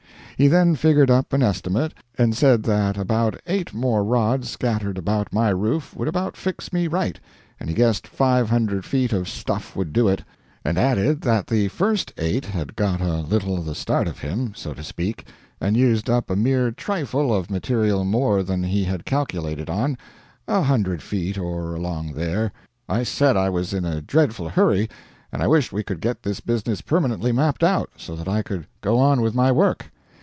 He then figured up an estimate, and said that about eight more rods scattered about my roof would about fix me right, and he guessed five hundred feet of stuff would do it; and added that the first eight had got a little the start of him, so to speak, and used up a mere trifle of material more than he had calculated on a hundred feet or along there. I said I was in a dreadful hurry, and I wished we could get this business permanently mapped out, so that I could go on with my work.